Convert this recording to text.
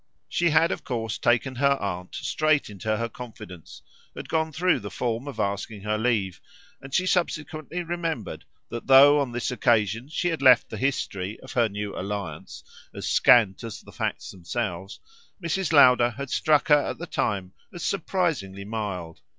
She had of course taken her aunt straight into her confidence had gone through the form of asking her leave; and she subsequently remembered that though on this occasion she had left the history of her new alliance as scant as the facts themselves, Mrs. Lowder had struck her at the time as surprisingly mild.